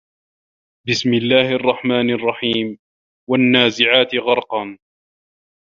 بِسمِ اللَّهِ الرَّحمنِ الرَّحيمِ وَالنّازِعاتِ غَرقًا